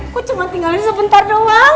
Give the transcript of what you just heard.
aku cuma tinggalin sebentar doang